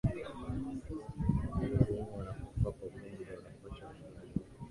wazazi wengi wanakufa kwa ugonjwa na kuacha watoto wadogo